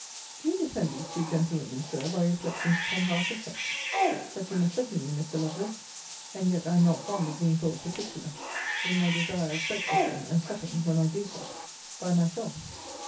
Do you defend these two gentlewomen, Sir, by reflections upon half the sex? But you must second me, Mr. Lovelace, (and yet I am not fond of being thought particular,) in my desire of breakfasting and supping (when I do sup) by myself.